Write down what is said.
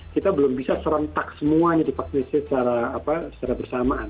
kita belum bisa serentak semuanya divaksin secara bersamaan